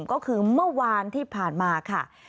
ก็คือเมื่อวานที่ผ่านมาค่ะ